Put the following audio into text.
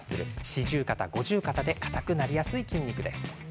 四十肩、五十肩で硬くなりやすい筋肉です。